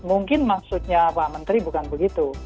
mungkin maksudnya pak menteri bukan begitu